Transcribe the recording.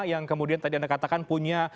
yang kemudian tadi anda katakan punya